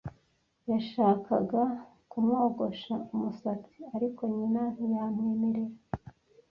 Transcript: Yashakaga kumwogosha umusatsi, ariko nyina ntiyamwemerera.